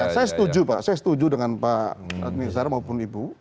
saya setuju pak saya setuju dengan pak administra maupun ibu